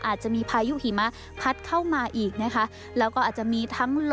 อาจจะมีพายุหิมะพัดเข้ามาอีกนะคะ